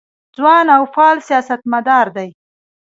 ځوان او فعال سیاستمدار دی.